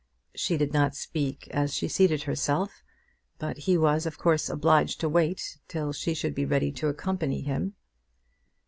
She did not speak as she seated herself; but he was of course obliged to wait till she should be ready to accompany him.